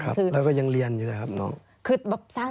แล้วก็ยังเรียนอยู่ด้วยครับน้อง